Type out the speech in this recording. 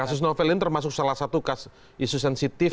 kasus novel ini termasuk salah satu isu sensitif